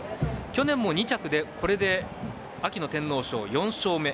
去年も２着で秋の天皇賞４勝目。